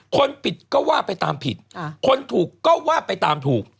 คนผิดก็ว่าไปตามผิดคนถูกก็ว่าไปตามถูก